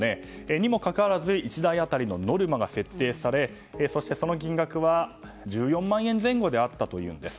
にもかかわらず１台当たりのノルマが設定されそして、その金額は１４万円前後だったというんです。